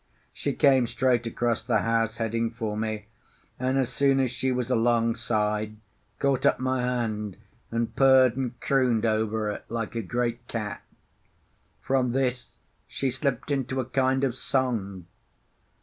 She came straight across the house, heading for me, and, as soon as she was alongside, caught up my hand and purred and crooned over it like a great cat. From this she slipped into a kind of song.